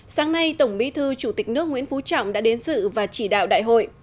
sáng nay tổng bí thư chủ tịch nước nguyễn phú trọng đã đến dự và chỉ đạo đại hội